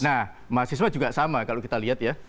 nah mahasiswa juga sama kalau kita lihat ya